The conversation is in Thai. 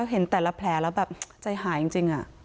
เห็นแต่ละแผลแล้วแบบใจหายจริง